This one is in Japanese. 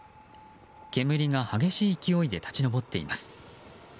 煙が激しい勢いで立ち上っています。